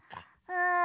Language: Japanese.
うん。